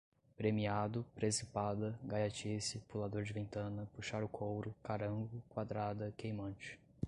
premiado, presepada, gaiatice, pulador de ventana, puxar o couro, carango, quadrada, queimante